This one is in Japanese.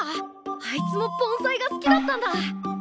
あいつも盆栽が好きだったんだ！